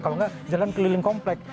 kalau nggak jalan keliling komplek